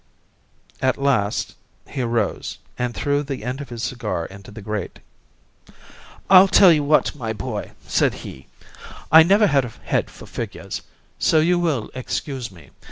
At last he rose and threw the end of his cigar into the grate. "I'll tell you what, my boy," said he. "I never had a head for figures, so you will excuse me.